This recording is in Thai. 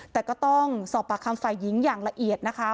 แต่ก็ต้องสอบปากคำฝ่ายหญิงอย่างละเอียดนะคะ